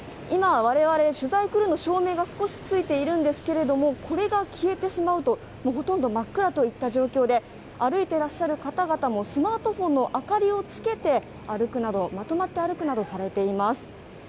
今、我々、取材クルーの照明が少しついているんですけれども、これが消えてしまうともうほとんど真っ暗といった状況で歩いてらっしゃる方々もスマートフォンの明かりをつけて歩くなど、まとまって歩くなどされています。